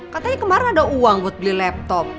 katanya kemarin ada uang buat beli laptop